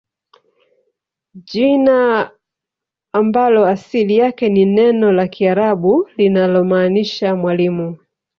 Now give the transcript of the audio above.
Jina ambalo asili yake ni neno la kiarabu linalomaanisha mwalimu